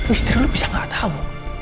istri lu bisa gak tahu